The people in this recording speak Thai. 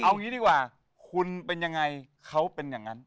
เอางี้ดีกว่าคุณเป็นยังไงเขาเป็นอย่างนั้น